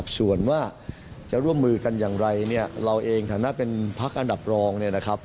ส่วนว่าจะร่วมมือกันอย่างไรเราเองฐานะเป็นพักอันดับรอง